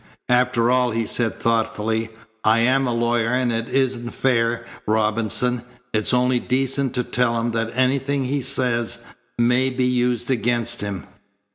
"After all," he said thoughtfully. "I'm a lawyer, and it isn't fair, Robinson. It's only decent to tell him that anything he says may be used against him."